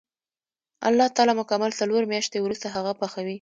الله تعالی مکمل څلور میاشتې وروسته هغه پخوي.